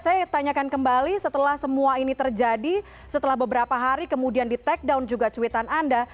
saya tanyakan kembali setelah semua ini terjadi setelah beberapa hari kemudian di take down juga cuitan anda